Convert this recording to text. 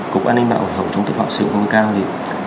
cục an ninh mạng hợp trung tâm hợp sự công an cao